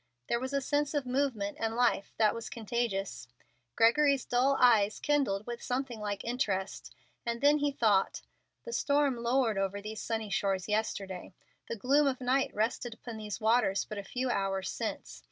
There was a sense of movement and life that was contagious. Gregory's dull eyes kindled with something like interest, and then he thought: "The storm lowered over these sunny shores yesterday. The gloom of night rested upon these waters but a few hours since.